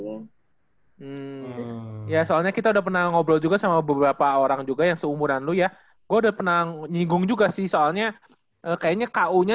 hmm ya soalnya kita udah pernah ngobrol juga sama beberapa orang juga yang seumuran lu ya gue udah pernah nyinggung juga sih soalnya kayaknya ku nya